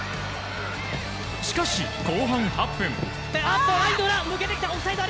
しかし、後半８分。